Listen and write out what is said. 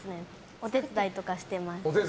お手伝いとかしてます。